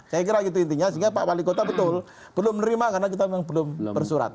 saya kira itu intinya sehingga pak wali kota betul belum menerima karena kita memang belum bersurat